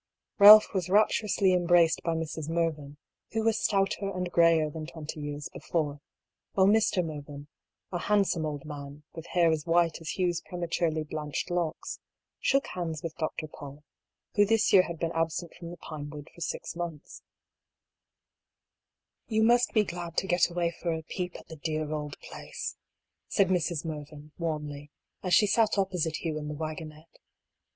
Ralph was rapturously embraced by Mrs. Mervyn, who was stouter and greyer than twenty years before, while Mr. Mervyn, a handsome old man, with hair as white as Hugh's prematurely blanched locks, shook hands with Dr. Paull, who this year had been absent from the Pinewood for six months, 13 188 I>R. PAULL'S THEORY. " You must be glad to get away for a peep at the dear old place," said Mrs. Mervyn, warmly, as she sat opposite Hugh in the waggonette.